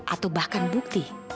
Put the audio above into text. atau bahkan bukti